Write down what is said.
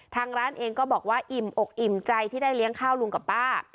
ทางร้านเองก็บอกว่าอิ่มอกอิ่มใจที่ได้เลี้ยงข้าวลุงกับป้า